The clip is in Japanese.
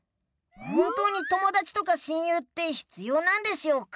本当に友だちとか親友ってひつようなんでしょうか？